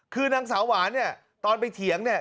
คือนางสาวหวานเนี่ยตอนไปเถียงเนี่ย